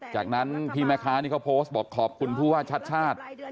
จากนั้นพี่แม่ค้านี่เขาโพสต์บอกขอบคุณผู้ว่าชาติชาติ